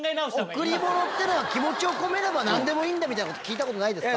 贈り物ってのは気持ちを込めれば何でもいいんだみたいなこと聞いたことないですか？